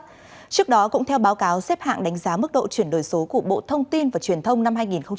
trước đó cũng theo báo cáo xếp hạng đánh giá mức độ chuyển đổi số của bộ thông tin và truyền thông năm hai nghìn một mươi chín